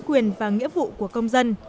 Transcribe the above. quyền và nghĩa vụ của công dân